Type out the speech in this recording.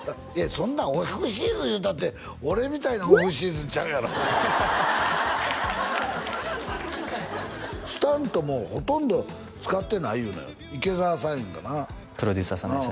そんなんオフシーズンいうたって俺みたいなオフシーズンちゃうやろスタントもほとんど使ってないいうのよ池澤さんいうんかなプロデューサーさんですね